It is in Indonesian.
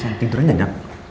nih pinturnya nyenyak